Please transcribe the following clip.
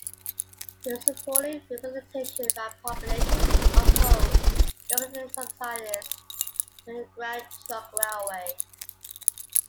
He supported representation by population and opposed government subsidies to the Grand Trunk Railway.